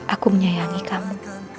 aku menyayangi kamu